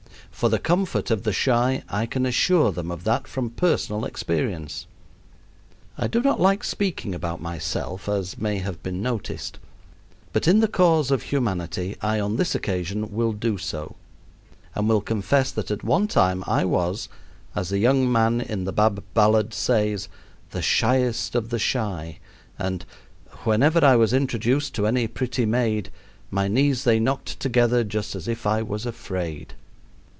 For the comfort of the shy, I can assure them of that from personal experience. I do not like speaking about myself, as may have been noticed, but in the cause of humanity I on this occasion will do so, and will confess that at one time I was, as the young man in the Bab Ballad says, "the shyest of the shy," and "whenever I was introduced to any pretty maid, my knees they knocked together just as if I was afraid."